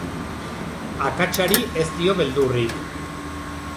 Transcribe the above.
Akatsari ez dio beldurrik.